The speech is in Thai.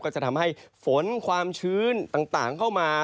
จะทำให้ฝนความชื้นต่างเข้ามา